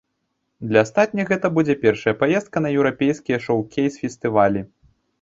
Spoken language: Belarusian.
Для астатніх гэта будзе першая паездка на еўрапейскія шоўкейс-фестывалі.